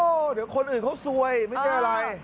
เดี๋ยวคนอื่นเขาซวยไม่ใช่อะไร